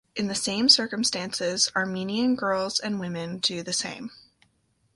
In the same circumstances Armenian girls and women do the same.